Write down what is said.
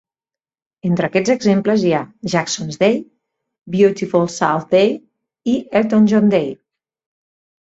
Entre aquests exemples hi ha "Jacksons Day", "Beautiful South Day" i "Elton John Day".